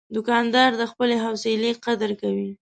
دوکاندار د خپلې حوصلې قدر کوي.